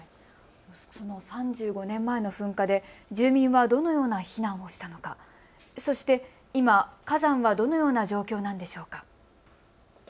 その３５年前の噴火で住民はどのような避難をしたのか、そして今、火山はどのような状況なんでしょうか。